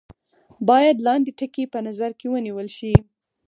باید لاندې ټکي په نظر کې ونیول شي.